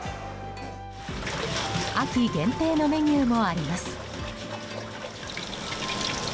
秋限定のメニューもあります。